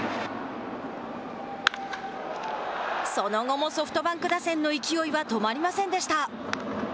その後もソフトバンク打線の勢いは止まりませんでした。